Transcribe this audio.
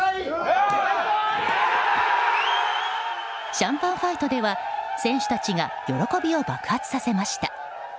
シャンパンファイトでは選手たちが喜びを爆発させました。